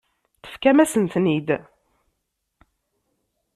Tefkam-asen-ten-id.